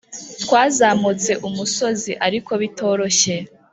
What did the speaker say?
twazamutse umusozi, ariko bitoroshye.